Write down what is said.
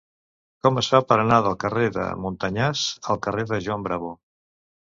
Com es fa per anar del carrer de Montanyans al carrer de Juan Bravo?